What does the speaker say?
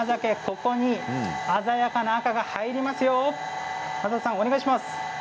ここに鮮やかな赤が入りますよ。